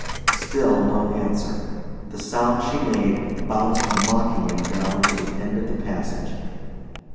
Still no answer. The sound she made bounced mockingly down to the end of the passage.